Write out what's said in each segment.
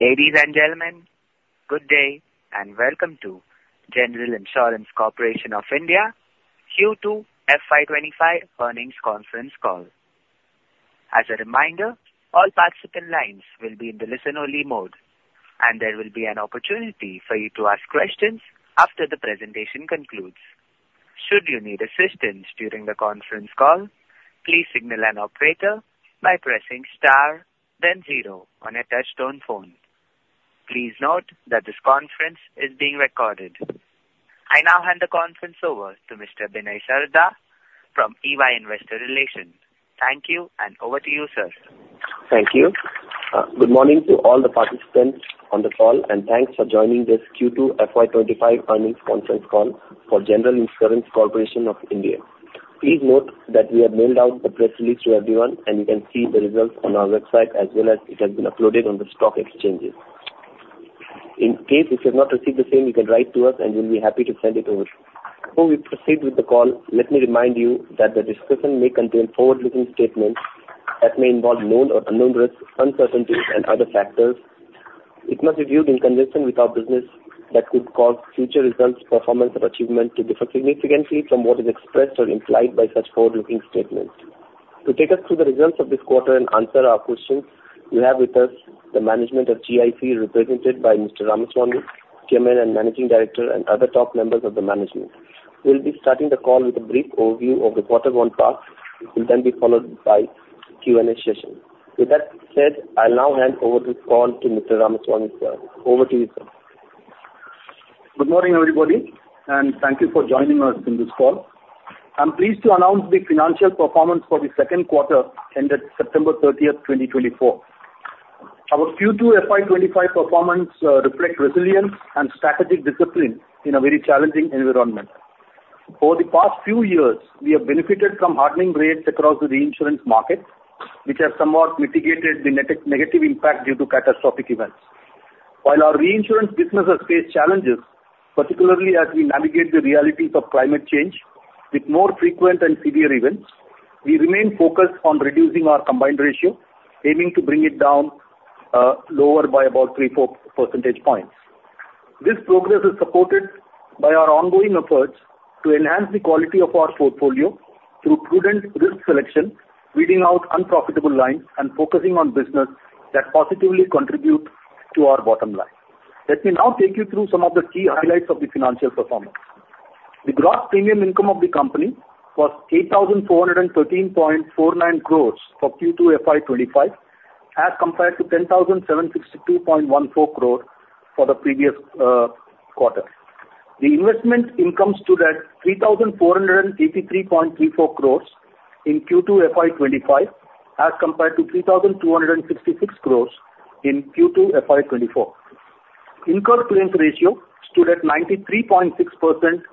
Ladies and gentlemen, good day and welcome to General Insurance Corporation of India Q2 FY25 earnings conference call. As a reminder, all participant lines will be in the listen-only mode, and there will be an opportunity for you to ask questions after the presentation concludes. Should you need assistance during the conference call, please signal an operator by pressing star, then zero on a touch-tone phone. Please note that this conference is being recorded. I now hand the conference over to Mr. Vinay Sardar from EY Investor Relations. Thank you, and over to you, sir. Thank you. Good morning to all the participants on the call, and thanks for joining this Q2 FY25 earnings conference call for General Insurance Corporation of India. Please note that we have mailed out the press release to everyone, and you can see the results on our website as well as it has been uploaded on the stock exchanges. In case you have not received the same, you can write to us, and we'll be happy to send it over. Before we proceed with the call, let me remind you that the discussion may contain forward-looking statements that may involve known or unknown risks, uncertainties, and other factors. It must be viewed in conjunction with our business that could cause future results, performance, or achievement to differ significantly from what is expressed or implied by such forward-looking statements. To take us through the results of this quarter and answer our questions, we have with us the management of GIC represented by Mr. Ramaswamy, Chairman and Managing Director, and other top members of the management. We'll be starting the call with a brief overview of the quarter-one part, which will then be followed by a Q&A session. With that said, I'll now hand over this call to Mr. Ramaswamy, sir. Over to you, sir. Good morning, everybody, and thank you for joining us in this call. I'm pleased to announce the financial performance for the second quarter ended September 30th, 2024. Our Q2 FY25 performance reflects resilience and strategic discipline in a very challenging environment. Over the past few years, we have benefited from hardening rates across the reinsurance market, which have somewhat mitigated the negative impact due to catastrophic events. While our reinsurance business has faced challenges, particularly as we navigate the realities of climate change with more frequent and severe events, we remain focused on reducing our combined ratio, aiming to bring it down lower by about three or four percentage points. This progress is supported by our ongoing efforts to enhance the quality of our portfolio through prudent risk selection, weeding out unprofitable lines, and focusing on business that positively contributes to our bottom line. Let me now take you through some of the key highlights of the financial performance. The gross premium income of the company was 8,413.49 crores for Q2 FY25, as compared to 10,762.14 crores for the previous quarter. The investment income stood at 3,483.34 crores in Q2 FY25, as compared to 3,266 crores in Q2 FY24. Incurred claims ratio stood at 93.6%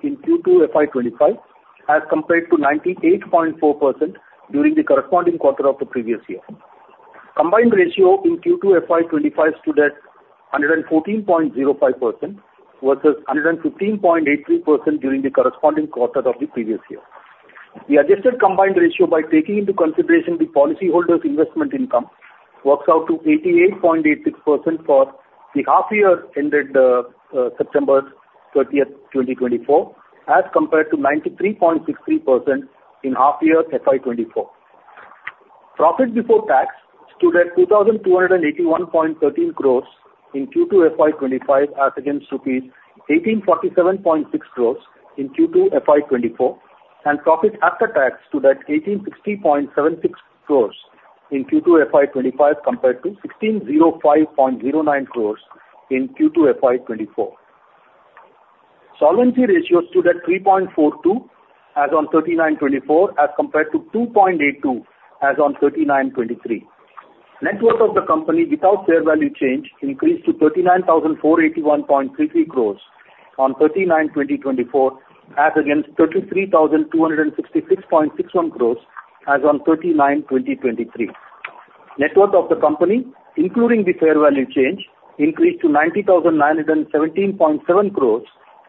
in Q2 FY25, as compared to 98.4% during the corresponding quarter of the previous year. Combined ratio in Q2 FY25 stood at 114.05% versus 115.83% during the corresponding quarter of the previous year. The adjusted combined ratio, by taking into consideration the policyholders' investment income, works out to 88.86% for the half-year ended September 30th, 2024, as compared to 93.63% in half-year FY24. Profit before tax stood at 2,281.13 crores in Q2 FY25, as against rupees 1,847.6 crores in Q2 FY24, and profit after tax stood at 1,860.76 crores in Q2 FY25, compared to 1,605.09 crores in Q2 FY24. Solvency ratio stood at 3.42 as on 30/9/2024, as compared to 2.82 as on 30/9/2023. Net worth of the company without fair value change increased to 39,481.33 crores on 30/9/2024, as against 33,266.61 crores as on 30/9/2023. Net worth of the company, including the fair value change, increased to 90,917.7 crores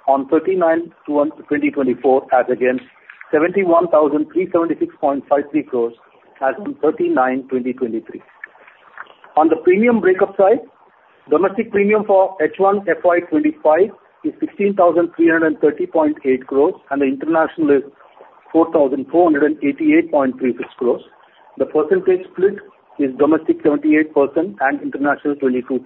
on 30/9/2024, as against 71,376.53 crores as on 30/9/2023. On the premium breakup side, domestic premium for H1 FY25 is 16,330.8 crores, and the international is 4,488.36 crores. The percentage split is domestic 78% and international 22%.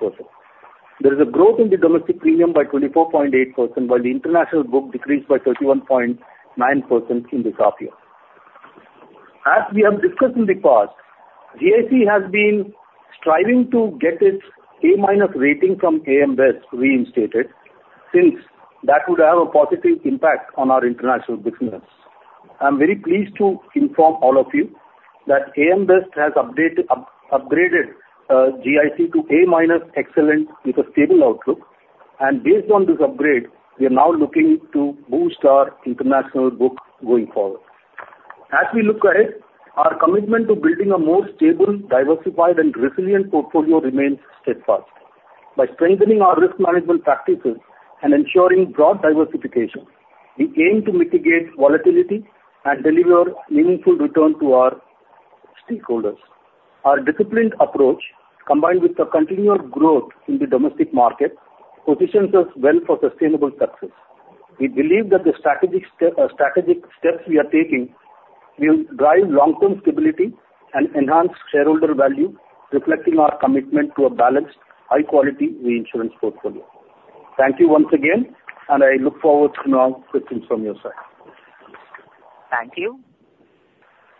There is a growth in the domestic premium by 24.8%, while the international book decreased by 31.9% in this half-year. As we have discussed in the past, GIC has been striving to get its A rating from AM Best reinstated since that would have a positive impact on our international business. I'm very pleased to inform all of you that AM Best has upgraded GIC to A (Excellent) with a stable outlook, and based on this upgrade, we are now looking to boost our international book going forward. As we look ahead, our commitment to building a more stable, diversified, and resilient portfolio remains steadfast. By strengthening our risk management practices and ensuring broad diversification, we aim to mitigate volatility and deliver meaningful returns to our stakeholders. Our disciplined approach, combined with the continued growth in the domestic market, positions us well for sustainable success. We believe that the strategic steps we are taking will drive long-term stability and enhance shareholder value, reflecting our commitment to a balanced, high-quality reinsurance portfolio. Thank you once again, and I look forward to more questions from your side. Thank you.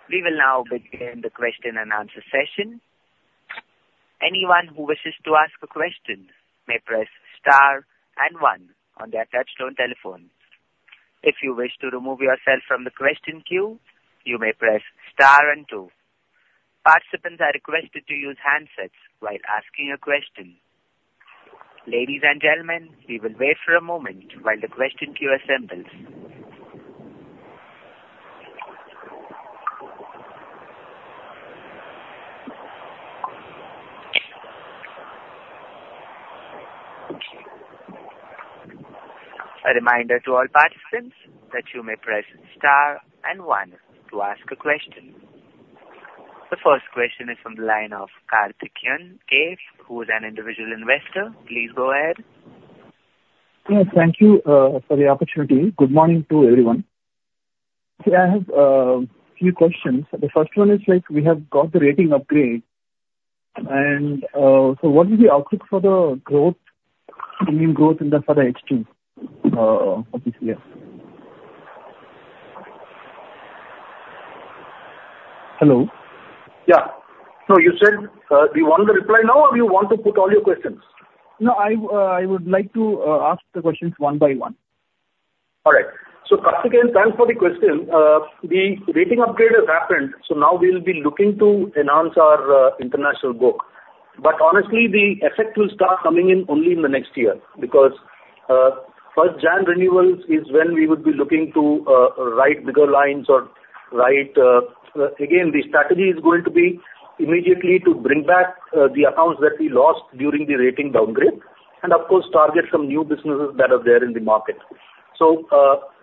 We will now begin the question and answer session. Anyone who wishes to ask a question may press star and one on their touch-tone telephones. If you wish to remove yourself from the question queue, you may press star and two. Participants are requested to use handsets while asking a question. Ladies and gentlemen, we will wait for a moment while the question queue assembles. A reminder to all participants that you may press star and one to ask a question. The first question is from the line of Karthikeyan, who is an individual investor. Please go ahead. Thank you for the opportunity. Good morning to everyone. I have a few questions. The first one is, we have got the rating upgrade, and so what is the outlook for the growth, premium growth for the H2 of this year? Hello? Yeah. So you said, do you want the reply now, or do you want to put all your questions? No, I would like to ask the questions one by one. All right. So Karthikeyan, thanks for the question. The rating upgrade has happened, so now we'll be looking to enhance our international book. But honestly, the effect will start coming in only in the next year because 1st Jan renewals is when we would be looking to write bigger lines or write again. The strategy is going to be immediately to bring back the accounts that we lost during the rating downgrade, and of course, target some new businesses that are there in the market. So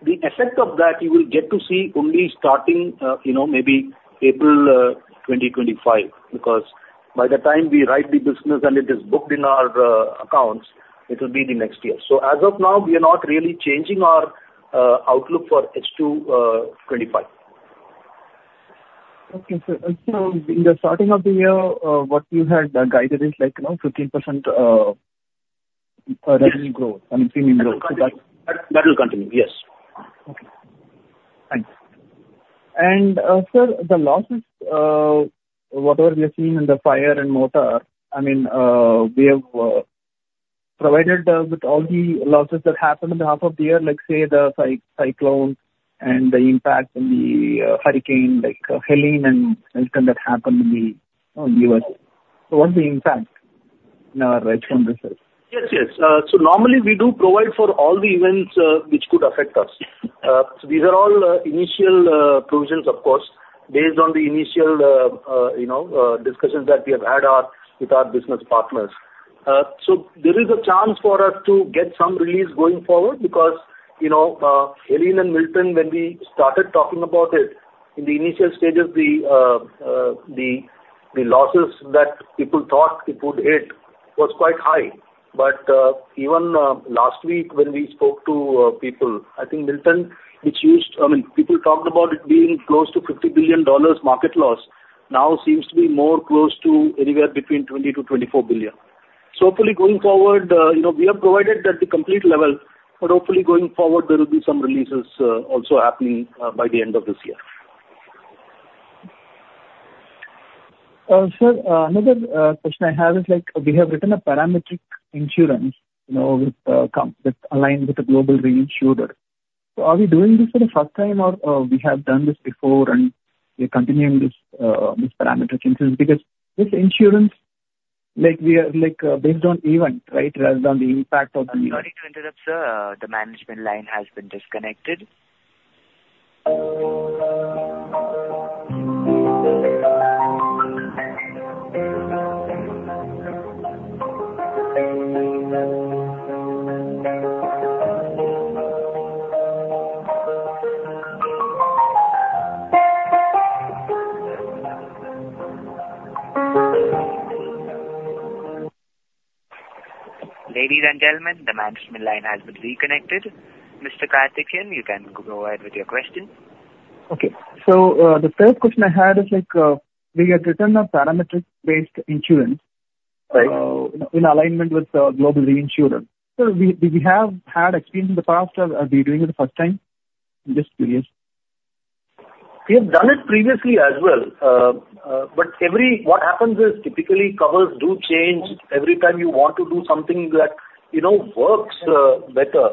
the effect of that, you will get to see only starting maybe April 2025 because by the time we write the business and it is booked in our accounts, it will be the next year. So as of now, we are not really changing our outlook for H2 FY25. Okay, so in the starting of the year, what you had guided is 15% revenue growth, I mean, premium growth. That will continue, yes. Okay. Thanks. Sir, the losses, whatever we have seen in the fire and motor, I mean, we have provided with all the losses that happened in the half of the year, like say the cyclone and the impact and the hurricane like Helene and Milton that happened in the U.S. So what's the impact in our H1 business? Yes, yes. So normally, we do provide for all the events which could affect us. So these are all initial provisions, of course, based on the initial discussions that we have had with our business partners. So there is a chance for us to get some release going forward because Helene and Milton, when we started talking about it, in the initial stages, the losses that people thought it would hit was quite high. But even last week, when we spoke to people, I think Milton, which used, I mean, people talked about it being close to $50 billion market loss, now seems to be more close to anywhere between $20 billion-$24 billion. So hopefully, going forward, we have provided at the complete level, but hopefully, going forward, there will be some releases also happening by the end of this year. Sir, another question I have is, we have written a parametric insurance aligned with the global reinsurer. So are we doing this for the first time, or we have done this before, and we are continuing this parametric insurance because this insurance, based on event, right, rather than the impact of the- Sorry to interrupt, sir. The management line has been disconnected. Ladies and gentlemen, the management line has been reconnected. Mr. Karthikeyan, you can go ahead with your question. Okay. So the first question I had is, we had written a parametric-based insurance in alignment with global reinsurer. So did we have had experience in the past, or are we doing it the first time? I'm just curious. We have done it previously as well, but what happens is typically covers do change every time you want to do something that works better.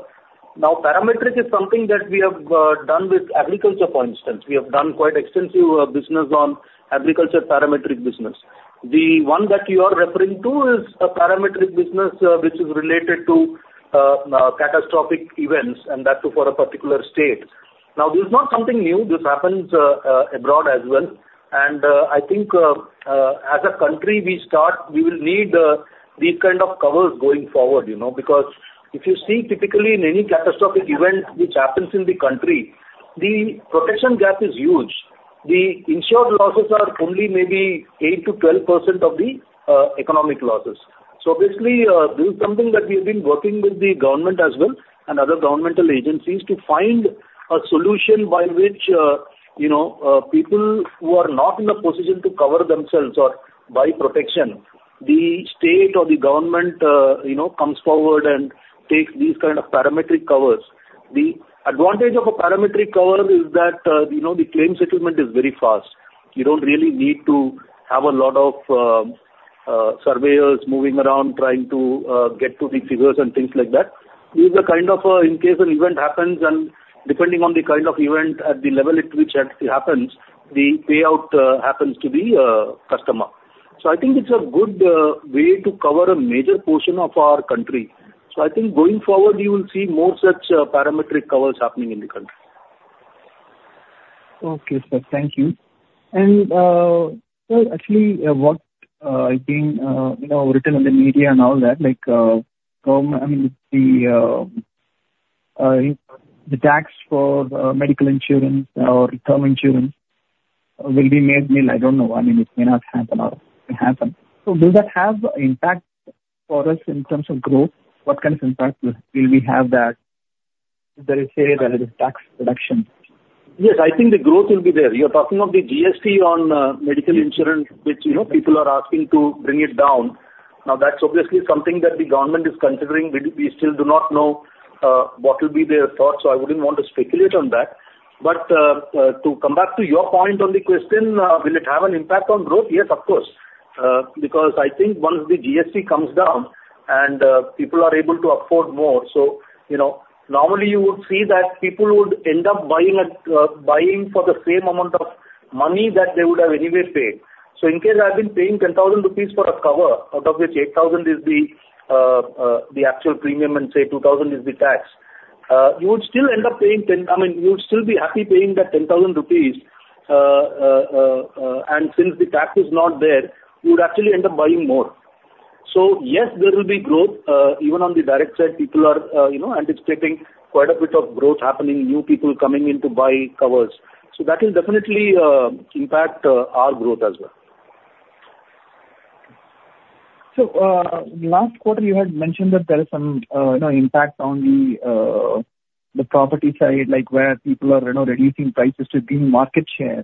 Now, parametric is something that we have done with agriculture, for instance. We have done quite extensive business on agriculture parametric business. The one that you are referring to is a parametric business which is related to catastrophic events, and that's for a particular state. Now, this is not something new. This happens abroad as well. I think as a country, we will need these kinds of covers going forward because if you see, typically, in any catastrophic event which happens in the country, the protection gap is huge. The insured losses are only maybe 8%-12% of the economic losses. So obviously, this is something that we have been working with the government as well and other governmental agencies to find a solution by which people who are not in a position to cover themselves or buy protection, the state or the government comes forward and takes these kinds of parametric covers. The advantage of a parametric cover is that the claim settlement is very fast. You don't really need to have a lot of surveyors moving around trying to get to the figures and things like that. This is a kind of, in case an event happens, and depending on the kind of event at the level at which it happens, the payout happens to the customer. So I think it's a good way to cover a major portion of our country. So I think going forward, you will see more such parametric covers happening in the country. Okay, sir. Thank you. Sir, actually, what I've been written in the media and all that, I mean, the tax for medical insurance or term insurance will be made, I don't know. I mean, it may not happen or happen. So does that have an impact for us in terms of growth? What kind of impact will we have that there is tax reduction? Yes, I think the growth will be there. You're talking of the GST on medical insurance, which people are asking to bring it down. Now, that's obviously something that the government is considering. We still do not know what will be their thoughts, so I wouldn't want to speculate on that. But to come back to your point on the question, will it have an impact on growth? Yes, of course, because I think once the GST comes down and people are able to afford more. So normally, you would see that people would end up buying for the same amount of money that they would have anyway paid. So in case I've been paying 10,000 rupees for a cover out of which 8,000 is the actual premium and say 2,000 is the tax, you would still end up paying 10,000. I mean, you would still be happy paying that 10,000 rupees. Since the tax is not there, you would actually end up buying more. So yes, there will be growth. Even on the direct side, people are anticipating quite a bit of growth happening, new people coming in to buy covers. So that will definitely impact our growth as well. So last quarter, you had mentioned that there is some impact on the property side, where people are reducing prices to gain market share.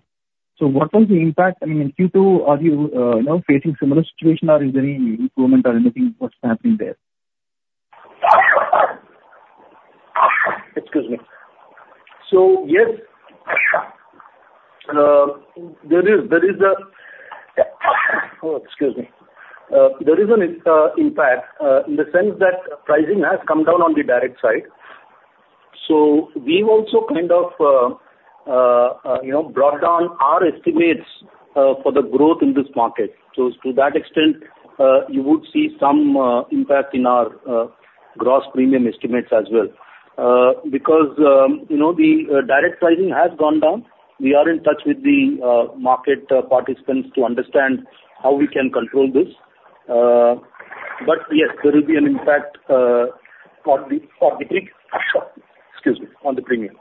So what was the impact? I mean, in Q2, are you facing a similar situation, or is there any improvement or anything what's happening there? Excuse me. So yes, there is an impact in the sense that pricing has come down on the direct side. So we've also kind of brought down our estimates for the growth in this market. So to that extent, you would see some impact in our gross premium estimates as well because the direct pricing has gone down, we are in touch with the market participants to understand how we can control this. But yes, there will be an impact on the premium.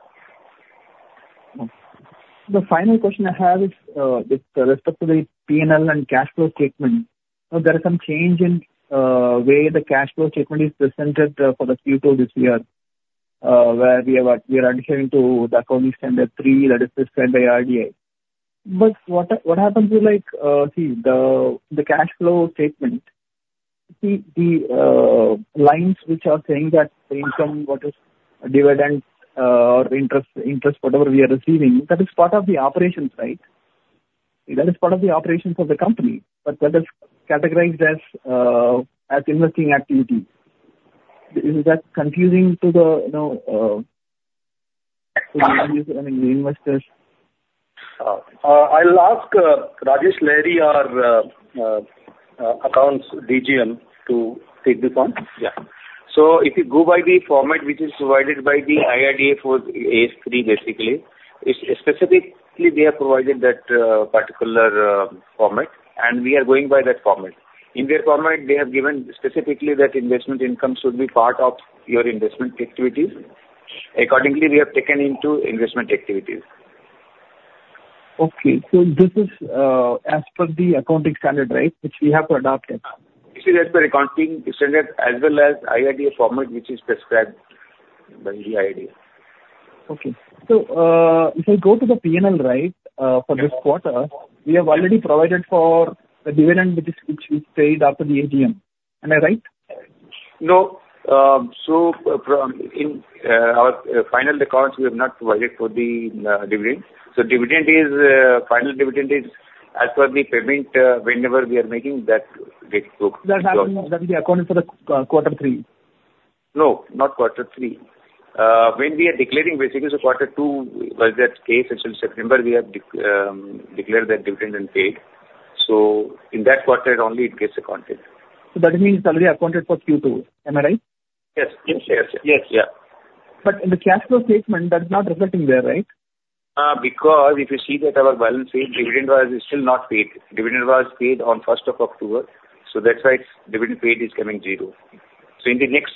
The final question I have is with respect to the P&L and cash flow statement. There is some change in the way the cash flow statement is presented for the Q2 this year, where we are adhering to the Accounting Standard 3 that is prescribed by IRDA. But what happens is, see, the cash flow statement, the lines which are saying that the income, what is dividend or interest, whatever we are receiving, that is part of the operations, right? That is part of the operations of the company, but that is categorized as investing activity. Is that confusing to the investors? I'll ask Rajesh Lahiri, our accounts DGM, to take this on. Yeah. So if you go by the format which is provided by the IRDA for AS3, basically, specifically, they have provided that particular format, and we are going by that format. In their format, they have given specifically that investment income should be part of your investment activities. Accordingly, we have taken into investment activities. Okay. So this is as per the accounting standard, right, which we have to adopt? It is as per accounting standard as well as IRDA format which is prescribed by the IRDA. Okay. So if I go to the P&L, right, for this quarter, we have already provided for the dividend which we paid after the AGM. Am I right? No. In our final accounts, we have not provided for the dividend. Dividend is final dividend as per the payment whenever we are making that date book. That has been accounted for the quarter three? No, not quarter three. When we are declaring, basically, so quarter two was that case until September, we have declared that dividend and paid. So in that quarter only, it gets accounted. So that means it's already accounted for Q2. Am I right? Yes. Yes. Yes. Yeah. But in the cash flow statement, that's not reflecting there, right? Because if you see that our balance sheet dividend was still not paid. Dividend was paid on 1st of October, so that's why dividend paid is coming zero. So in the next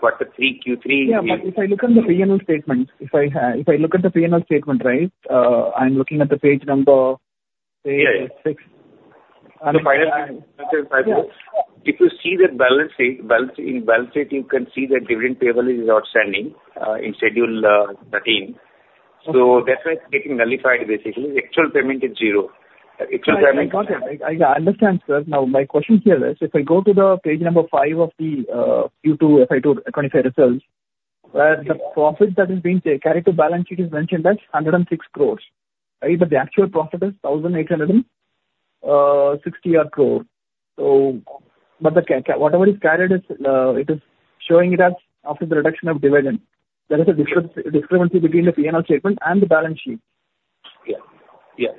quarter three, Q3. Yeah, but if I look at the P&L statement, if I look at the P&L statement, right, I'm looking at the page number. Yes. If you see that balance sheet, in balance sheet, you can see that dividend payable is outstanding in Schedule 13. So that's why it's getting nullified, basically. Actual payment is zero. Actual payment. I understand, sir. Now, my question here is, if I go to the page number five of the Q2 FY25 results, the profit that is being carried to balance sheet is mentioned as 106 crores, right? But the actual profit is 1,860 crores. But whatever is carried, it is showing it as after the reduction of dividend. There is a discrepancy between the P&L statement and the balance sheet. Yes. Yes.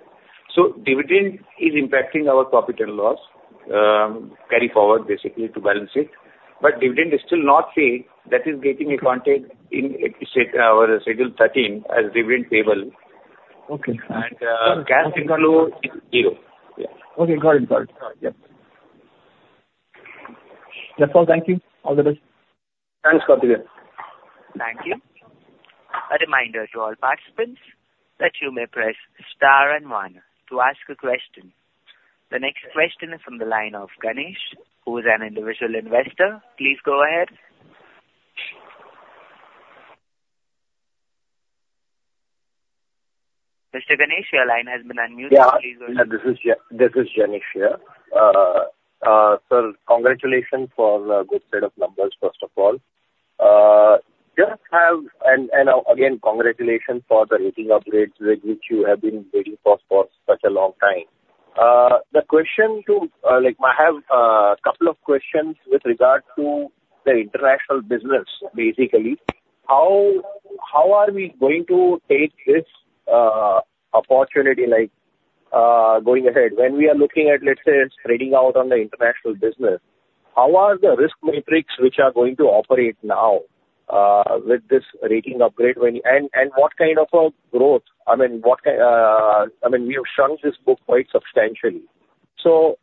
So dividend is impacting our profit and loss carry forward, basically, to balance sheet, but dividend is still not paid. That is getting accounted in our Schedule 13 as dividend payable and cash income is zero. Yeah. Okay. Got it. Got it. Yes. That's all. Thank you. All the best. Thanks, Karthikeyan. Thank you. A reminder to all participants that you may press star and one to ask a question. The next question is from the line of Ganesh, who is an individual investor. Please go ahead. Mr. Ganesh, your line has been unmuted. Please go ahead. Yeah. This is Ganesh here. Sir, congratulations for a good set of numbers, first of all. Again, congratulations for the rating upgrades which you have been waiting for for such a long time. The question to I have a couple of questions with regard to the international business, basically. How are we going to take this opportunity going ahead? When we are looking at, let's say, spreading out on the international business, how are the risk matrix which are going to operate now with this rating upgrade and what kind of a growth? I mean, we have shrunk this book quite substantially. So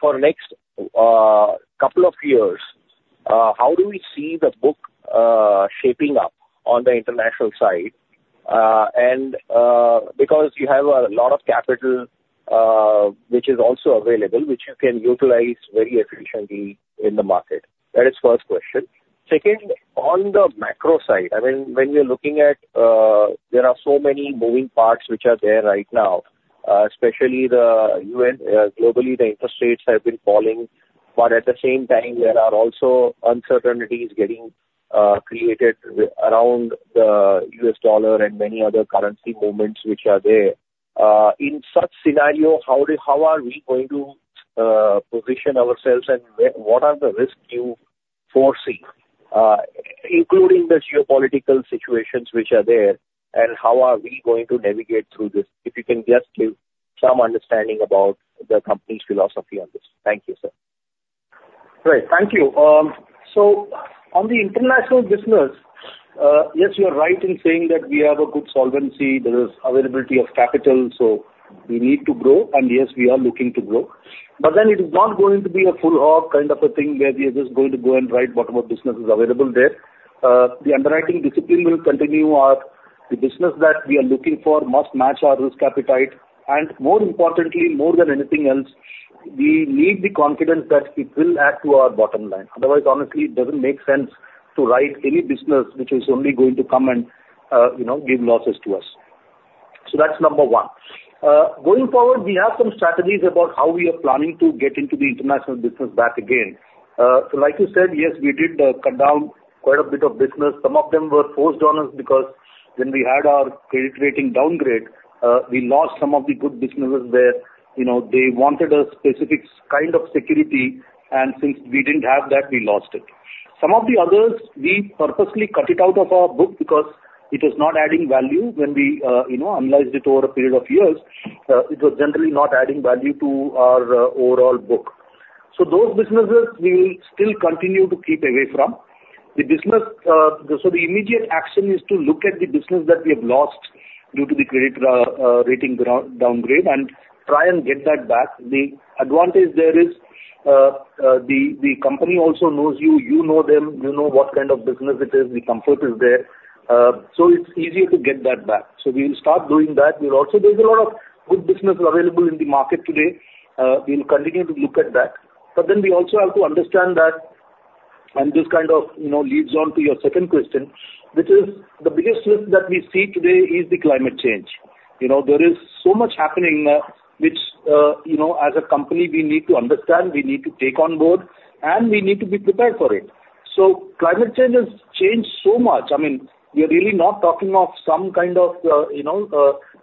for the next couple of years, how do we see the book shaping up on the international side, and because you have a lot of capital which is also available, which you can utilize very efficiently in the market? That is the first question. Second, on the macro side, I mean, when we are looking at, there are so many moving parts which are there right now, especially globally, the interest rates have been falling, but at the same time, there are also uncertainties getting created around the U.S. dollar and many other currency movements which are there. In such scenario, how are we going to position ourselves and what are the risks you foresee, including the geopolitical situations which are there, and how are we going to navigate through this? If you can just give some understanding about the company's philosophy on this. Thank you, sir. Right. Thank you. So on the international business, yes, you're right in saying that we have a good solvency, there is availability of capital, so we need to grow, and yes, we are looking to grow. But then it is not going to be a whole hog kind of a thing where we are just going to go and write whatever business is available there. The underwriting discipline will continue. Our business that we are looking for must match our risk appetite and more importantly, more than anything else, we need the confidence that it will add to our bottom line. Otherwise, honestly, it doesn't make sense to write any business which is only going to come and give losses to us. So that's number one. Going forward, we have some strategies about how we are planning to get the international business back again. So like you said, yes, we did cut down quite a bit of business. Some of them were forced on us because when we had our credit rating downgrade, we lost some of the good businesses where they wanted a specific kind of security and since we didn't have that, we lost it. Some of the others, we purposely cut it out of our book because it was not adding value. When we analyzed it over a period of years, it was generally not adding value to our overall book. So those businesses, we will still continue to keep away from. The business, so the immediate action is to look at the business that we have lost due to the credit rating downgrade and try and get that back. The advantage there is the company also knows you. You know them. You know what kind of business it is. The comfort is there. So it's easier to get that back. So we will start doing that. There's a lot of good business available in the market today. We'll continue to look at that, but then we also have to understand that, and this kind of leads on to your second question, which is the biggest risk that we see today is the climate change. There is so much happening which, as a company, we need to understand. We need to take on board, and we need to be prepared for it. So climate change has changed so much. I mean, we are really not talking of some kind of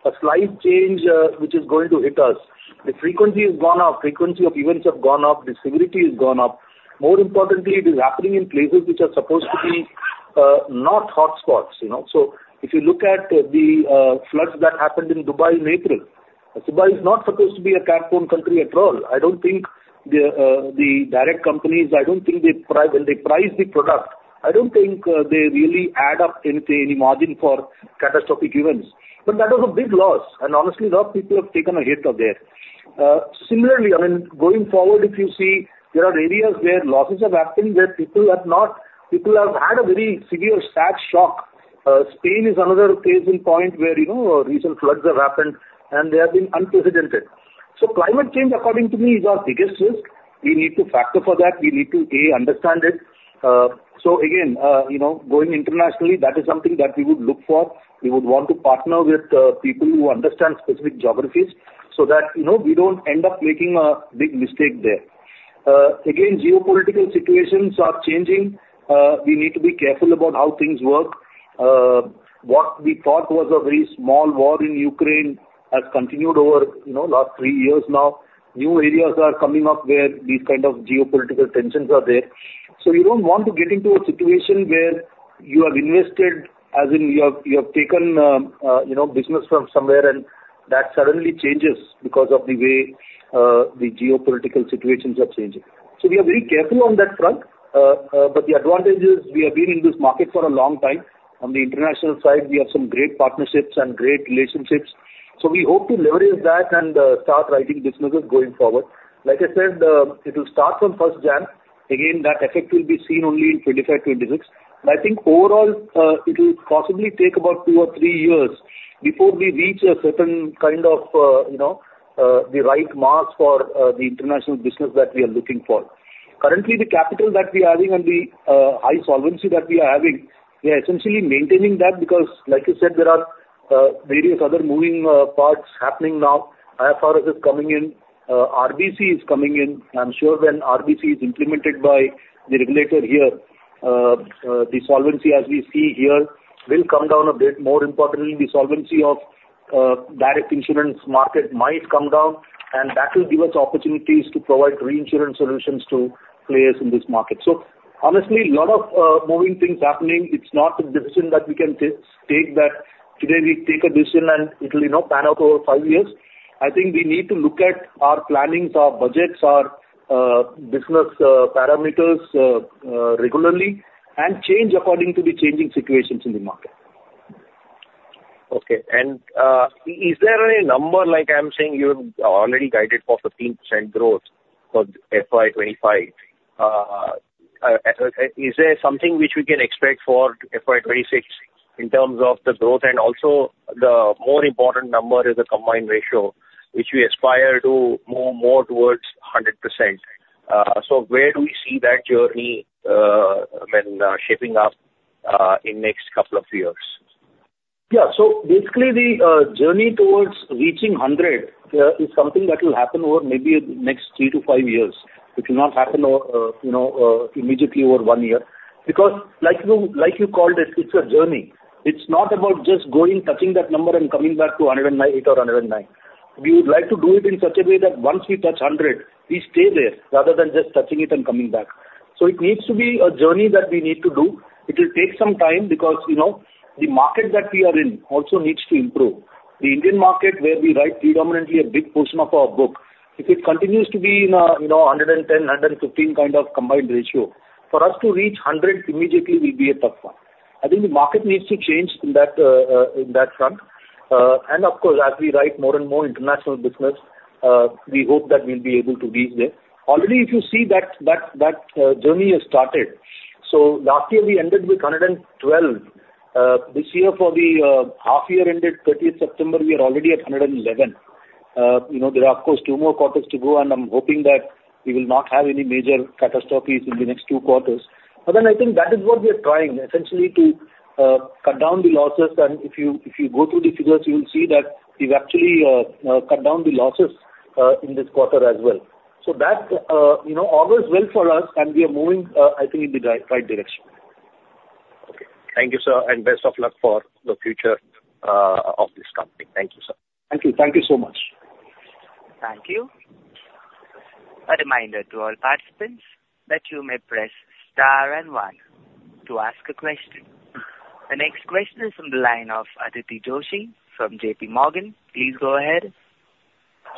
a slight change which is going to hit us. The frequency has gone up. Frequency of events have gone up. The severity has gone up. More importantly, it is happening in places which are supposed to be not hotspots. So if you look at the floods that happened in Dubai in April, Dubai is not supposed to be a careful country at all. I don't think the direct companies, I don't think when they price the product, I don't think they really add up any margin for catastrophic events. But that was a big loss and honestly, a lot of people have taken a hit there. Similarly, I mean, going forward, if you see, there are areas where losses have happened where people have had a very severe sad shock. Spain is another case in point where recent floods have happened, and they have been unprecedented. So climate change, according to me, is our biggest risk. We need to factor for that. We need to, A, understand it. So again, going internationally, that is something that we would look for. We would want to partner with people who understand specific geographies so that we don't end up making a big mistake there. Again, geopolitical situations are changing. We need to be careful about how things work. What we thought was a very small war in Ukraine has continued over the last three years now. New areas are coming up where these kind of geopolitical tensions are there. So you don't want to get into a situation where you have invested, as in you have taken business from somewhere, and that suddenly changes because of the way the geopolitical situations are changing. So we are very careful on that front, but the advantage is we have been in this market for a long time. On the international side, we have some great partnerships and great relationships. So we hope to leverage that and start writing businesses going forward. Like I said, it will start from 1st Jan. Again, that effect will be seen only in 2025, 2026. But I think overall, it will possibly take about two or three years before we reach a certain kind of the right mass for the international business that we are looking for. Currently, the capital that we are having and the high solvency that we are having, we are essentially maintaining that because, like you said, there are various other moving parts happening now. IFRS is coming in. RBC is coming in. I'm sure when RBC is implemented by the regulator here, the solvency as we see here will come down a bit. More importantly, the solvency of the direct insurance market might come down and that will give us opportunities to provide reinsurance solutions to players in this market. So honestly, a lot of moving things happening. It's not a decision that we can take that today we take a decision and it will pan out over five years. I think we need to look at our planning, our budgets, our business parameters regularly, and change according to the changing situations in the market. Okay, and is there a number, like I'm saying, you have already guided for 15% growth for FY25? Is there something which we can expect for FY26 in terms of the growth? Also, the more important number is the combined ratio, which we aspire to move more towards 100%. So where do we see that journey shaping up in the next couple of years? Yeah. So basically, the journey towards reaching 100% is something that will happen over maybe the next three to five years, which will not happen immediately over one year, because like you called it, it's a journey. It's not about just going, touching that number, and coming back to 108 or 109. We would like to do it in such a way that once we touch 100, we stay there rather than just touching it and coming back. So it needs to be a journey that we need to do. It will take some time because the market that we are in also needs to improve. The Indian market, where we write predominantly a big portion of our book, if it continues to be in a 110-115 kind of combined ratio, for us to reach 100 immediately will be a tough one. I think the market needs to change in that front and of course, as we write more and more international business, we hope that we'll be able to reach there. Already, if you see that journey has started. So last year, we ended with 112. This year, for the half year ended 30th September, we are already at 111. There are, of course, two more quarters to go, and I'm hoping that we will not have any major catastrophes in the next two quarters. But then I think that is what we are trying, essentially, to cut down the losses. If you go through the figures, you will see that we've actually cut down the losses in this quarter as well. So that always works for us, and we are moving, I think, in the right direction. Okay. Thank you, sir, and best of luck for the future of this company. Thank you, sir. Thank you. Thank you so much. Thank you. A reminder to all participants that you may press star and one to ask a question. The next question is from the line of Aditi Joshi from J.P. Morgan. Please go ahead.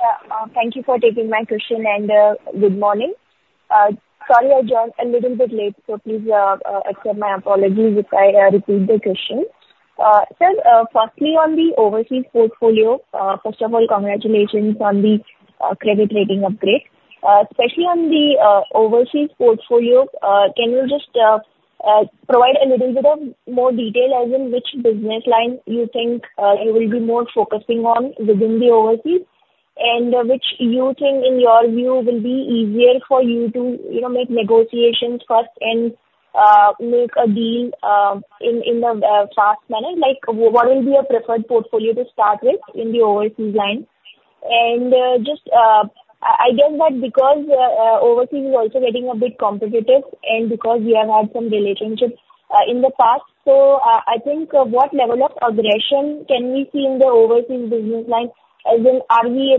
Yeah. Thank you for taking my question, and good morning. Sorry, I joined a little bit late, so please accept my apologies if I repeat the question. Sir, firstly, on the overseas portfolio, first of all, congratulations on the credit rating upgrade. Especially on the overseas portfolio, can you just provide a little bit of more detail as in which business line you think you will be more focusing on within the overseas and which you think, in your view, will be easier for you to make negotiations first and make a deal in a fast manner? What will be your preferred portfolio to start with in the overseas line? Just I guess that because overseas is also getting a bit competitive and because we have had some relationships in the past, so I think what level of aggression can we see in the overseas business line? As in, are we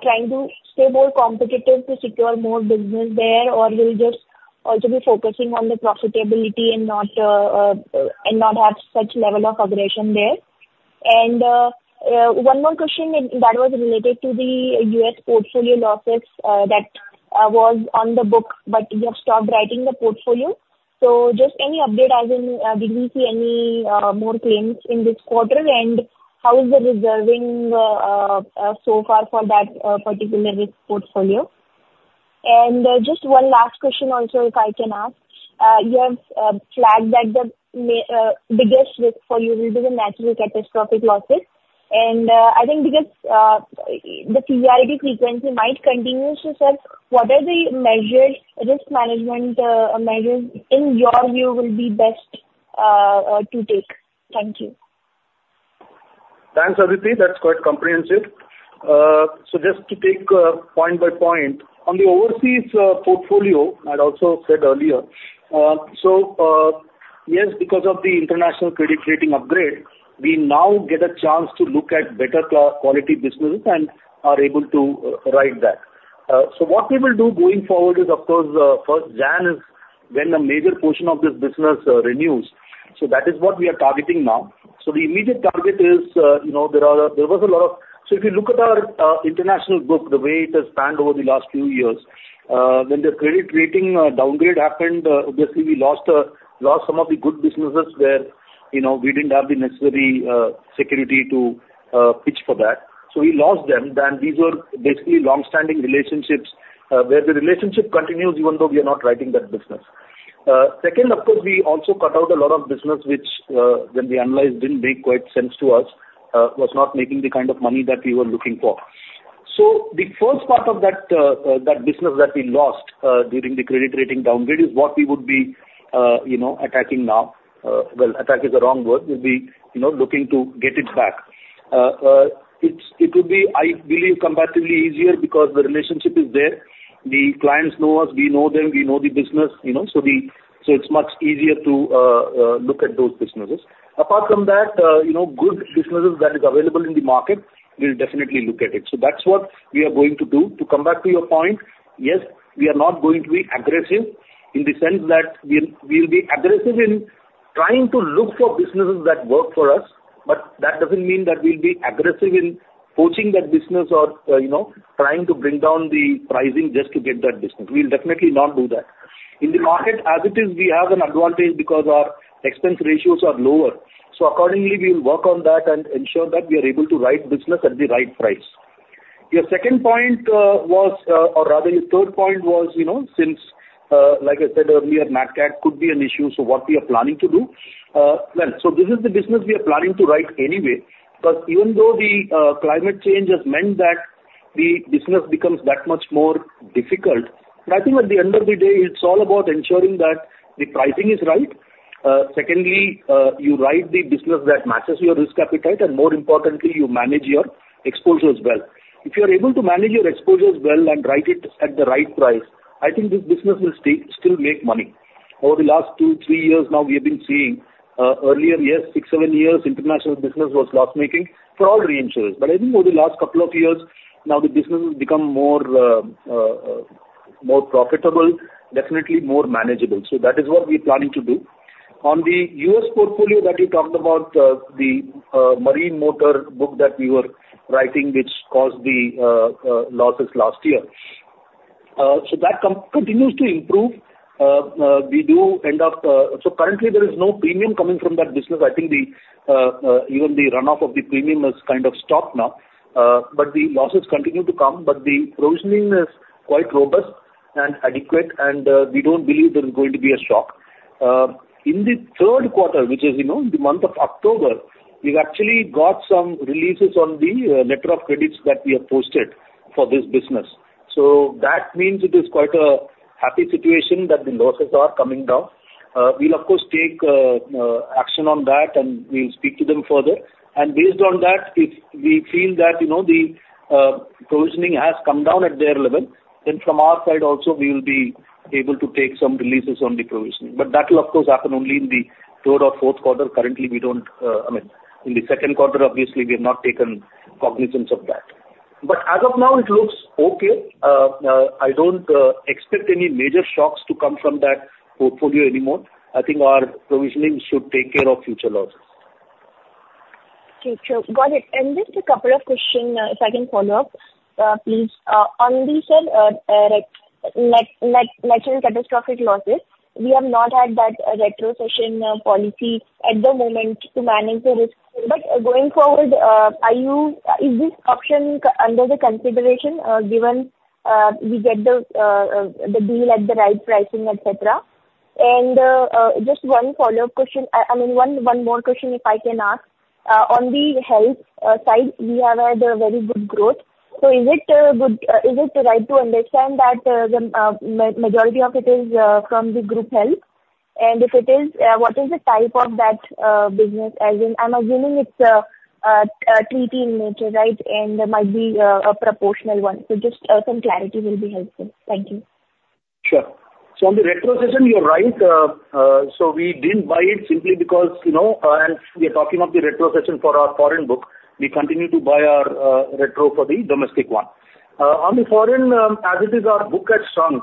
trying to stay more competitive to secure more business there, or will we just also be focusing on the profitability and not have such level of aggression there? One more question that was related to the U.S. portfolio losses that was on the book, but you have stopped writing the portfolio. So just any update as in, did we see any more claims in this quarter and how is the reserving so far for that particular risk portfolio? Just one last question also if I can ask. You have flagged that the biggest risk for you will be the natural catastrophic losses and I think because the NatCat frequency might continue to surge, what are the measured risk management measures, in your view, will be best to take? Thank you. Thanks, Aditi. That's quite comprehensive. So just to take point by point, on the overseas portfolio, I also said earlier. So yes, because of the international credit rating upgrade, we now get a chance to look at better quality businesses and are able to write that. So what we will do going forward is, of course, 1st Jan is when a major portion of this business renews. So that is what we are targeting now. So the immediate target is there was a lot of so if you look at our international book, the way it has panned out over the last few years, when the credit rating downgrade happened, obviously, we lost some of the good businesses where we didn't have the necessary security to pitch for that. So we lost them. Then these were basically long-standing relationships where the relationship continues even though we are not writing that business. Second, of course, we also cut out a lot of business which, when we analyzed, didn't make quite sense to us, was not making the kind of money that we were looking for. So the first part of that business that we lost during the credit rating downgrade is what we would be attacking now. Well, attack is the wrong word. We'll be looking to get it back. It would be, I believe, comparatively easier because the relationship is there. The clients know us. We know them. We know the business. So it's much easier to look at those businesses. Apart from that, good businesses that are available in the market, we'll definitely look at it. So that's what we are going to do. To come back to your point, yes, we are not going to be aggressive in the sense that we'll be aggressive in trying to look for businesses that work for us, but that doesn't mean that we'll be aggressive in poaching that business or trying to bring down the pricing just to get that business. We'll definitely not do that. In the market, as it is, we have an advantage because our expense ratios are lower. So accordingly, we will work on that and ensure that we are able to write business at the right price. Your second point was, or rather your third point was, since, like I said earlier, NatCat could be an issue, so what we are planning to do, well, so this is the business we are planning to write anyway. But even though the climate change has meant that the business becomes that much more difficult. I think at the end of the day, it's all about ensuring that the pricing is right. Secondly, you write the business that matches your risk appetite, and more importantly, you manage your exposures well. If you're able to manage your exposures well and write it at the right price, I think this business will still make money. Over the last two, three years now, we have been seeing, earlier, yes, six, seven years, international business was loss-making for all reinsurers, but I think over the last couple of years, now the business has become more profitable, definitely more manageable. So that is what we are planning to do. On the U.S. portfolio that you talked about, the Marine Motor book that we were writing, which caused the losses last year. That continues to improve. We do end up so currently, there is no premium coming from that business. I think even the runoff of the premium has kind of stopped now. The losses continue to come. The provisioning is quite robust and adequate, and we don't believe there is going to be a shock. In the third quarter, which is the month of October, we've actually got some releases on the letters of credit that we have posted for this business. That means it is quite a happy situation that the losses are coming down. We'll, of course, take action on that, and we'll speak to them further. Based on that, if we feel that the provisioning has come down at their level, then from our side also, we will be able to take some releases on the provisioning. But that will, of course, happen only in the third or fourth quarter. Currently, we don't, I mean, in the second quarter, obviously, we have not taken cognizance of that. But as of now, it looks okay. I don't expect any major shocks to come from that portfolio anymore. I think our provisioning should take care of future losses. Okay. Got it. Just a couple of questions, if I can follow up, please. On the, sir, natural catastrophic losses, we have not had that retrocession policy at the moment to manage the risk. But going forward, is this option under the consideration given we get the deal at the right pricing, etc.? Just one follow-up question. I mean, one more question, if I can ask. On the health side, we have had a very good growth. So is it right to understand that the majority of it is from the group health? If it is, what is the type of that business? As in, I'm assuming it's a treaty in nature, right, and there might be a proportional one. So just some clarity will be helpful. Thank you. Sure. So on the retrocession, you're right. So we didn't buy it simply because we are talking of the retrocession for our foreign book. We continue to buy our retro for the domestic one. On the foreign, as it is, our book had shrunk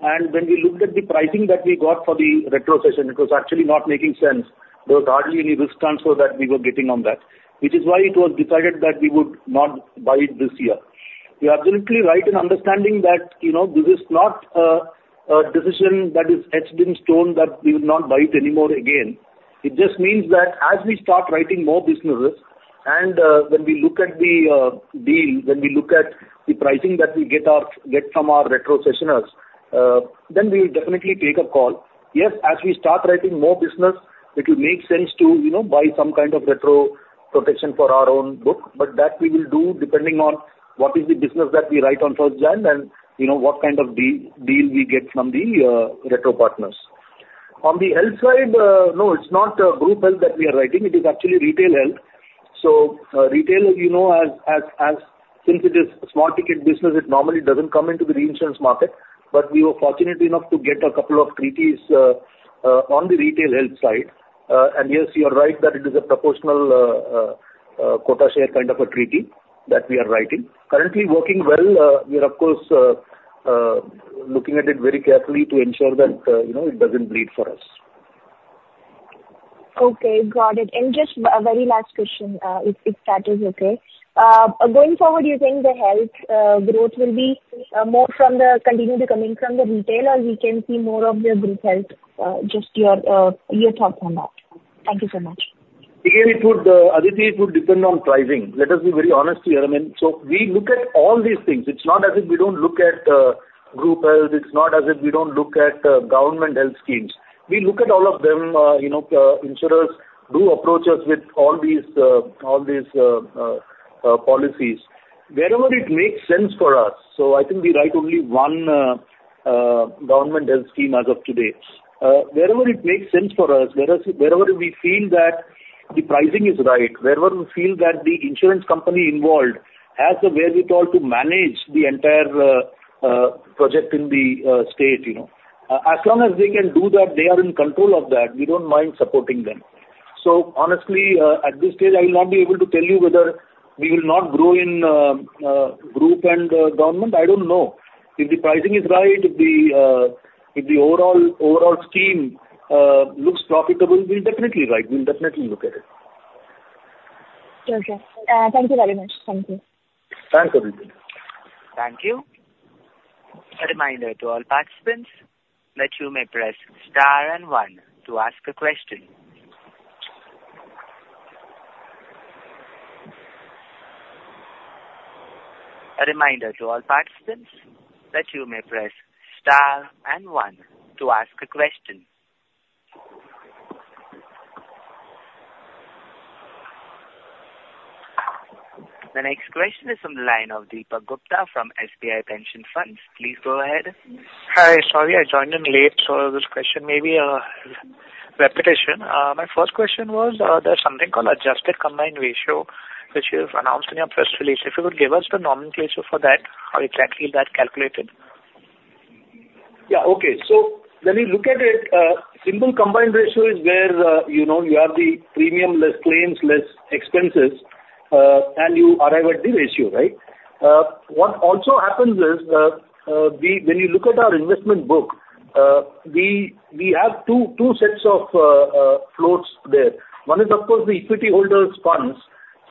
and when we looked at the pricing that we got for the retrocession, it was actually not making sense. There was hardly any risk transfer that we were getting on that, which is why it was decided that we would not buy it this year. You're absolutely right in understanding that this is not a decision that is etched in stone that we will not buy it anymore again. It just means that as we start writing more businesses, and when we look at the deal, when we look at the pricing that we get from our retrocessioners, then we will definitely take a call. Yes, as we start writing more business, it will make sense to buy some kind of retro protection for our own book, but that we will do depending on what is the business that we write on 1st Jan and what kind of deal we get from the retro partners. On the health side, no, it's not group health that we are writing. It is actually retail health, so retail, since it is a small-ticket business, it normally doesn't come into the reinsurance market, but we were fortunate enough to get a couple of treaties on the retail health side, and yes, you're right that it is a proportional quota share kind of a treaty that we are writing, currently working well. We are, of course, looking at it very carefully to ensure that it doesn't bleed for us. Okay. Got it, and just a very last question, if that is okay. Going forward, do you think the health growth will be more from the continuing to come in from the retail, or we can see more of the group health? Just your thoughts on that. Thank you so much. Again, it would, Aditi, it would depend on pricing. Let us be very honest here. I mean, so we look at all these things. It's not as if we don't look at group health. It's not as if we don't look at government health schemes. We look at all of them. Insurers do approach us with all these policies. Wherever it makes sense for us, so I think we write only one government health scheme as of today. Wherever it makes sense for us, wherever we feel that the pricing is right, wherever we feel that the insurance company involved has the wherewithal to manage the entire project in the state. As long as they can do that, they are in control of that. We don't mind supporting them. So honestly, at this stage, I will not be able to tell you whether we will not grow in group and government. I don't know. If the pricing is right, if the overall scheme looks profitable, we'll definitely write. We'll definitely look at it. Okay. Thank you very much. Thank you. Thanks, Aditi. Thank you. A reminder to all participants, you may press star and one to ask a question. The next question is from the line of Deepa Gupta from SBI Pension Funds. Please go ahead. Hi. Sorry, I joined in late, so this question may be a repetition. My first question was, there's something called adjusted combined ratio, which you've announced in your press release. If you could give us the nomenclature for that, how exactly is that calculated? Yeah. Okay. So when we look at it, simple Combined Ratio is where you have the premium less claims less expenses, and you arrive at the ratio, right? What also happens is, when you look at our investment book, we have two sets of floats there. One is, of course, the equity holders' funds.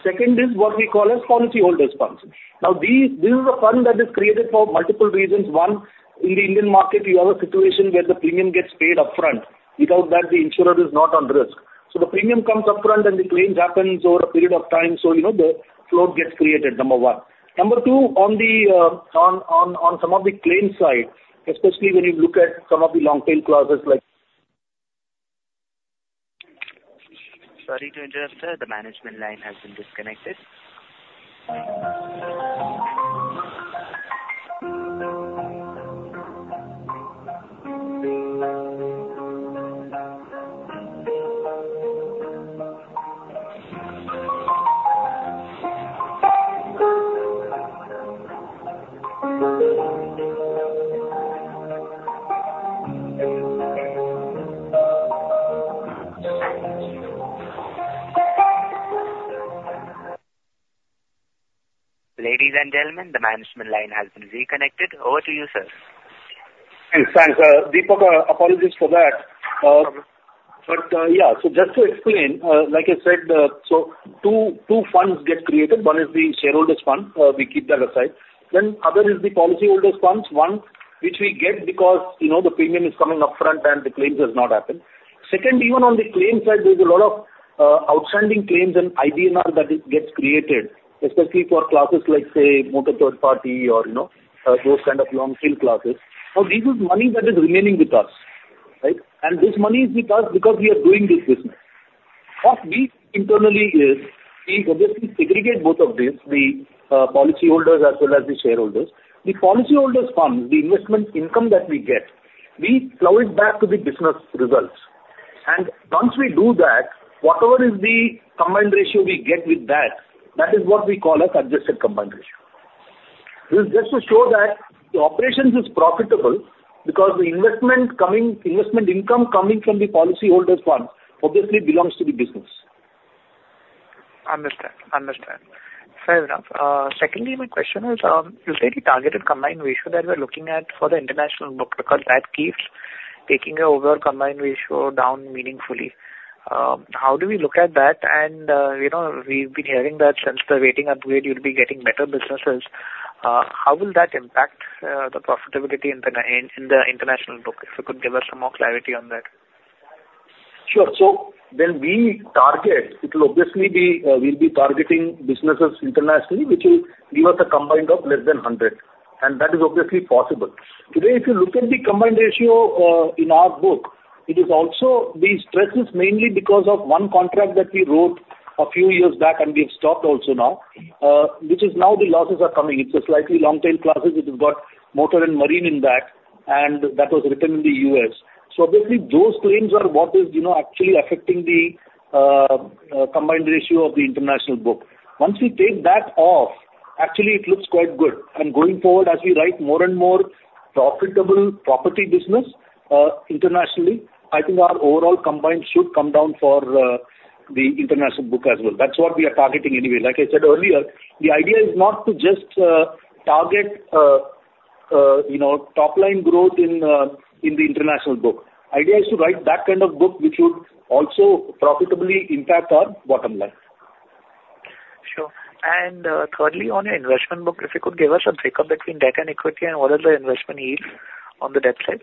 Second is what we call as Policyholders' Funds. Now, this is a fund that is created for multiple reasons. One, in the Indian market, you have a situation where the premium gets paid upfront. Without that, the insurer is not on risk. So the premium comes upfront, and the claim happens over a period of time. So the float gets created, number one. Number two, on some of the claim side, especially when you look at some of the long-tail clauses like Sorry to interrupt there. The management line has been disconnected. Ladies and gentlemen, the management line has been reconnected. Over to you, sir. Thanks. Thanks. Deepa, apologies for that. But yeah, so just to explain, like I said, so two funds get created. One is the shareholders' fund. We keep that aside. Then other is the policyholders' funds, one which we get because the premium is coming upfront and the claims have not happened. Second, even on the claim side, there's a lot of outstanding claims and IBNR that gets created, especially for clauses like, say, motor third party or those kind of long-tail clauses. Now, this is money that is remaining with us, right, and this money is with us because we are doing this business. What we internally is, we obviously segregate both of these, the policyholders as well as the shareholders. The policyholders' funds, the investment income that we get, we flow it back to the business results. Once we do that, whatever is the combined ratio we get with that, that is what we call as adjusted combined ratio. This is just to show that the operations is profitable because the investment income coming from the policyholders' fund obviously belongs to the business. Understood. Fair enough. Secondly, my question is, you said the targeted combined ratio that we're looking at for the international book record, that keeps taking the overall combined ratio down meaningfully. How do we look at that? We've been hearing that since the rating upgrade, you'll be getting better businesses, how will that impact the profitability in the international book? If you could give us some more clarity on that. Sure, so when we target, it will obviously be we'll be targeting businesses internationally, which will give us a combined of less than 100, and that is obviously possible. Today, if you look at the combined ratio in our book, it is also the stress is mainly because of one contract that we wrote a few years back, and we have stopped also now, which is now the losses are coming. It's a slightly long-tail clause. It has got motor and marine in that, and that was written in the U.S., so obviously, those claims are what is actually affecting the combined ratio of the international book. Once we take that off, actually, it looks quite good, and going forward, as we write more and more profitable property business internationally, I think our overall combined should come down for the international book as well. That's what we are targeting anyway. Like I said earlier, the idea is not to just target top-line growth in the international book. The idea is to write that kind of book, which would also profitably impact our bottom line. Sure. Thirdly, on your investment book, if you could give us a breakdown between debt and equity and what are the investment yields on the debt side?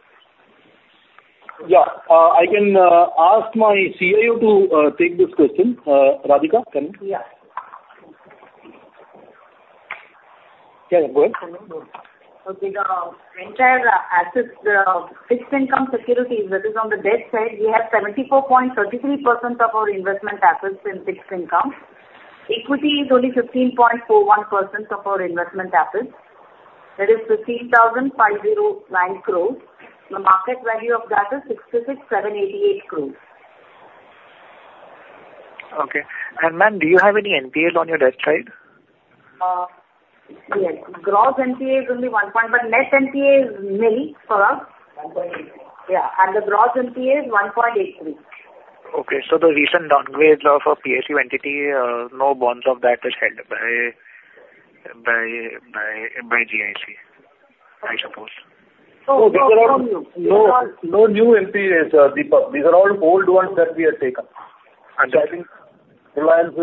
Yeah. I can ask my CIO to take this question. Radhika, can you? Yes. Yeah. Go ahead. Okay. The entire assets, the fixed income securities, that is on the debt side, we have 74.33% of our investment assets in fixed income. Equity is only 15.41% of our investment assets. That is 15,509 crores. The market value of that is 66,788 crores. Okay, and ma'am, do you have any NPAs on your debt side? Yes. Gross NPA is only 1%, but net NPA is nil for us. 1.83%. Yeah, and the gross NPA is 1.83%. Okay, so the recent downgrade of a PSU entity, no bonds of that is held by GIC, I suppose. So these are all no new NPAs, Deepa. These are all old ones that we have taken. Understood. I think Reliance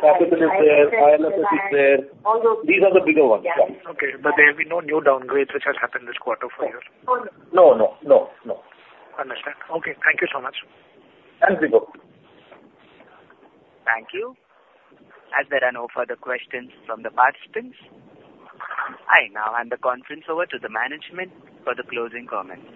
Capital is there. IL&FS is there. These are the bigger ones. Yeah. Okay, but there will be no new downgrades which have happened this quarter for you? No. No. No. No. Understood. Okay. Thank you so much. Thanks, Deepa. Thank you. As there are no further questions from the participants, I now hand the conference over to the management for the closing comments.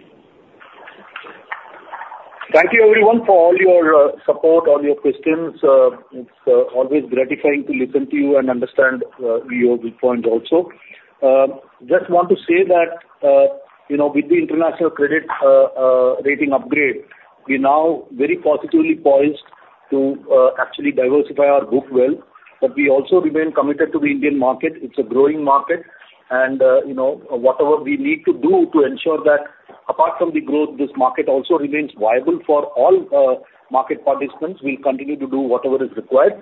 Thank you, everyone, for all your support, all your questions. It's always gratifying to listen to you and understand your viewpoint also. Just want to say that with the international credit rating upgrade, we now very positively poised to actually diversify our book well, but we also remain committed to the Indian market. It's a growing market, and whatever we need to do to ensure that, apart from the growth, this market also remains viable for all market participants, we'll continue to do whatever is required.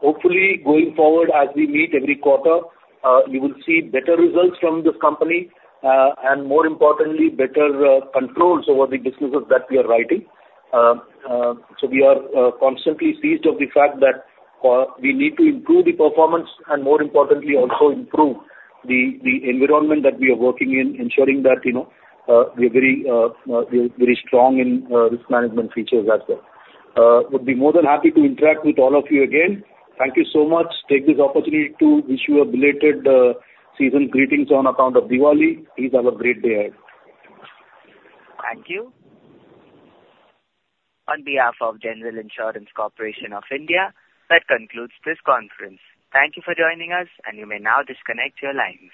Hopefully, going forward, as we meet every quarter, you will see better results from this company and, more importantly, better controls over the businesses that we are writing. So we are constantly seized of the fact that we need to improve the performance and, more importantly, also improve the environment that we are working in, ensuring that we are very strong in risk management features as well. Would be more than happy to interact with all of you again. Thank you so much. Take this opportunity to wish you a belated season's greetings on account of Diwali. Please have a great day ahead. Thank you. On behalf of General Insurance Corporation of India, that concludes this conference. Thank you for joining us, and you may now disconnect your lines.